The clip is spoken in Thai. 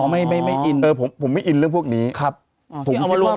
ไม่ไม่ไม่อินเออผมผมไม่อินเรื่องพวกนี้ครับอ๋อที่ออกมารวมแล้ว